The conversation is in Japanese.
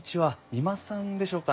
三馬さんでしょうか？